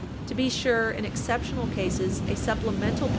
To be sure, in exceptional cases, a supplemental Page 307 U.